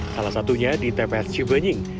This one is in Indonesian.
salah satunya di tps cibenying